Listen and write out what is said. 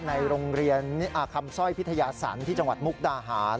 ในโรงเรียนคำสร้อยพิทยาศรที่จังหวัดมุกดาหาร